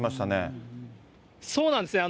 そうなんですね。